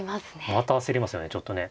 また焦りますよねちょっとね。